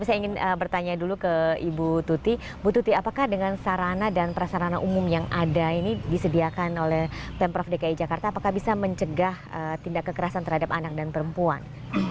saya ingin bertanya dulu ke ibu tuti bu tuti apakah dengan sarana dan prasarana umum yang ada ini disediakan oleh pemprov dki jakarta apakah bisa mencegah tindak kekerasan terhadap anak dan perempuan